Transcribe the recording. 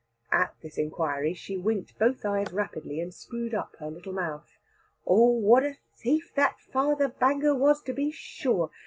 At this inquiry, she winked both eyes rapidly, and screwed up her little mouth. "Oh what a thief that Father Banger was, to be sure!